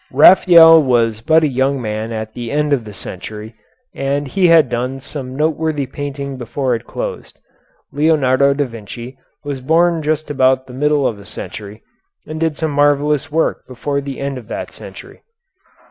Raphael was but a young man at the end of the century, but he had done some noteworthy painting before it closed. Leonardo da Vinci was born just about the middle of the century, and did some marvellous work before the end of that century.